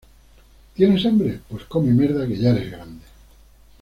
¿Tienes hambre? Pues come mierda que ya eres grande